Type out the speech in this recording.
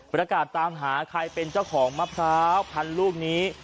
ประกาศตามหาใครเป็นเจ้าของมะพร้าวพันลูกนี้